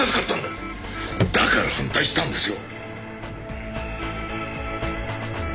だから反対したんですよ！